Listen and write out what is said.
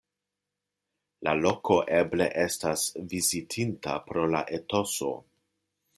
La loko eble estas vizitinda pro la etoso.